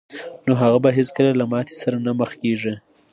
نو هغه به هېڅکله له ماتې سره نه مخ کېږي